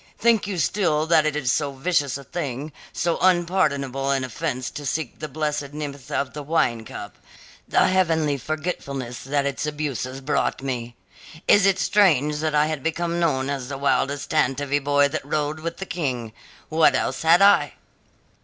Think you still that it was so vicious a thing, so unpardonable an offence to seek the blessed nepenthe of the wine cup, the heavenly forgetfulness that its abuses brought me? Is it strange that I became known as the wildest tantivy boy that rode with the King? What else had I?"